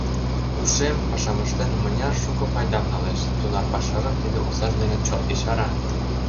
Ушем, пашам ыштен, мыняр шуко пайдам налеш, тунар пашажым тиде оксаж дене чот ешара.